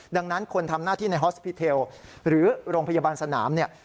ดังนั้นคนทำหน้าที่ในฮอสพิเทลหรือโรงพยาบาลสนามเนี่ย